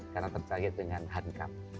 karena tercahaya dengan hankam